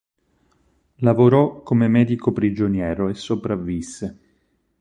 Lavorò come medico prigioniero e sopravvisse.